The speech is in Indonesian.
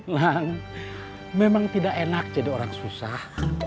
lang memang tidak enak jadi orang susah